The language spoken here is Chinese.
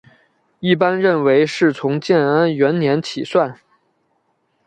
一般认为是从建安元年起算。